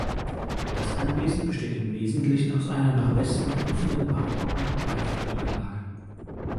Das Anwesen besteht im Wesentlichen aus einer nach Westen offenen barocken Dreiflügelanlage.